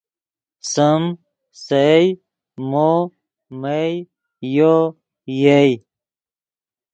سیم، سئے، مو، مئے، یو، یئے